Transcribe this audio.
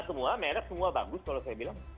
semua merek semua bagus kalau saya bilang